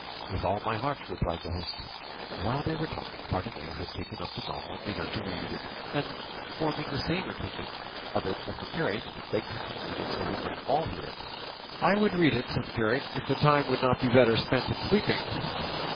"With all my heart," replied the host. While they were talking Cardenio had taken up the novel and begun to read it, and forming the same opinion of it as the curate, he begged him to read it so that they might all hear it. "I would read it," said the curate, "if the time would not be better spent in sleeping."